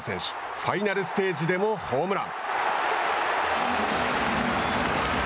ファイナルステージでもホームラン。